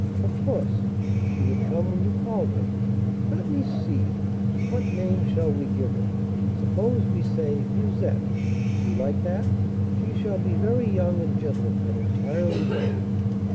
"Of course she would come when you called her. Let me see, what name shall we give her? Suppose we say, Musette. Do you like that? She shall be very young and gentle, and entirely white."